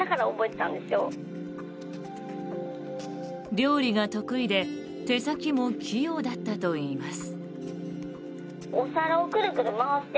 料理が得意で手先も器用だったといいます。